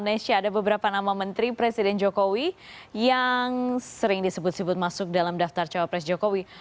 nesha ada beberapa nama menteri presiden jokowi yang sering disebut sebut masuk dalam daftar cawapres jokowi